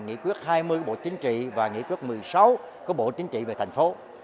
nghị quyết hai mươi của bộ chính trị và nghị quyết một mươi sáu của bộ chính trị về thành phố